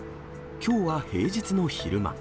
きょうは平日の昼間。